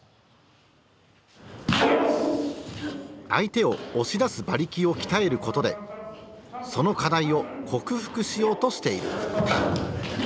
相手を押し出す馬力を鍛えることでその課題を克服しようとしている。